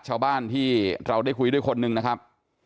ชาวบ้านที่เราได้คุยด้วยคนหนึ่งนะครับ